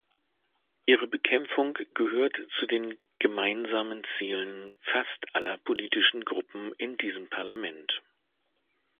Ihre Bekämpfung gehört zu den gemeinsamen Zielen fast aller politischen Gruppen in diesem Parlament.